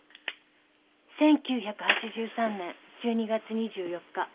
１９８３年１２月２４日。